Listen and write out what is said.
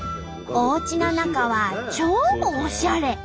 おうちの中は超おしゃれ！